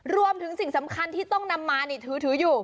สิ่งสำคัญที่ต้องนำมานี่ถืออยู่